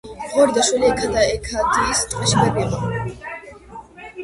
ღორი და შველი ექადიის ტყეში ბევრი იყო.